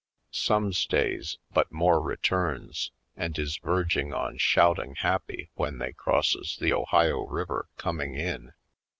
Some stays but more returns — and is verging on shouting happy when they crosses the Ohio River coming in.